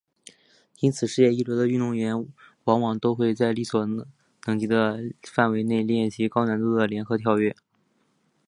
因此世界一流的运动员往往都会在力所能及的范围内练习高难度的联合跳跃。